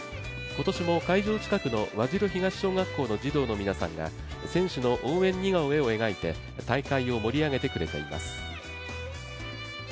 今年も会場近くの和白東小学校の児童の皆さんが、選手の応援似顔絵を描いて大会を盛り上げてくれています。